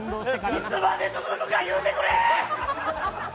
いつまで続くか言うてくれ！